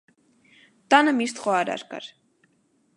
Տանը միշտ խոհարար կար։